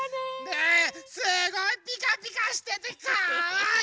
ねえすごいピカピカしててかわいい！